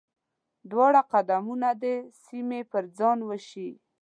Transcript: دواړه قدرتونه دې سیمې پر ځان وېشي.